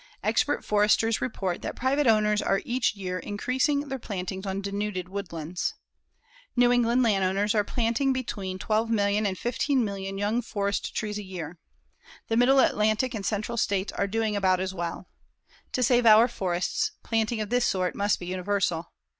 Expert foresters report that private owners are each year increasing their plantings on denuded woodlands. New England landowners are planting between 12,000,000 and 15,000,000 young forest trees a year. The Middle Atlantic and Central States are doing about as well. To save our forests, planting of this sort must be universal.